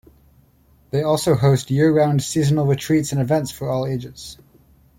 They also host year round seasonal retreats and events for all ages.